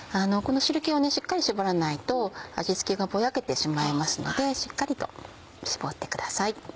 この汁気をしっかり絞らないと味付けがぼやけてしまいますのでしっかりと絞ってください。